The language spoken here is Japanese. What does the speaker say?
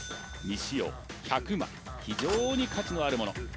未使用１００枚非常に価値のあるもの